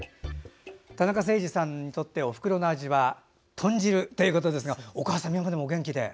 田中星児さんにとっておふくろの味は豚汁ということですがお母様もお元気で。